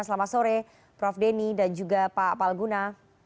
selamat sore prof denny dan juga pak palguna